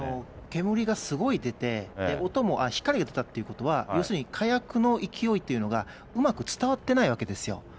煙がすごい出て、音も、光が出たってことは、要するに火薬の勢いっていうのがうまく伝わってないわけですよ。